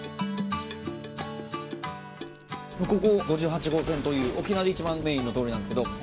ここ５８号線という沖縄で一番メインの通りなんですけど。